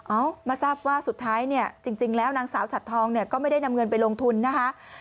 เอามาทราบว่าสุดท้ายเนี่ยจริงแล้วนางสาวฉัดทองเนี่ยก็ไม่ได้นำเงินไปลงทุนนะคะ